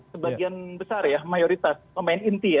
sebagian besar ya mayoritas pemain inti ya